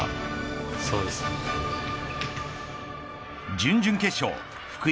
準々決勝福井